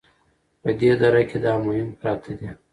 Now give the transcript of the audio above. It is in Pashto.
په دې دره کې دا مهم پراته دي